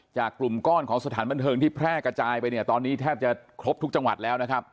กลุ่มก้อนของสถานบันเทิงที่แพร่กระจายไปเนี่ยตอนนี้แทบจะครบทุกจังหวัดแล้วนะครับ